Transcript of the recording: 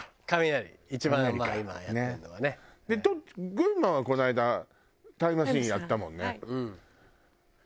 群馬はこの間タイムマシーンやったもんね。